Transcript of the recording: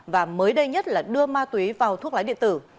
và đưa ma túy vào thuốc lá điện tử